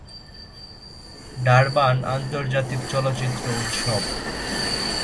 Durban আন্তর্জাতিক চলচ্চিত্র উৎসব